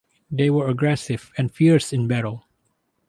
They were aggressive, and fierce in battle.